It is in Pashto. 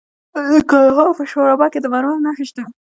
د کندهار په شورابک کې د مرمرو نښې شته.